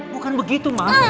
bukan itu ma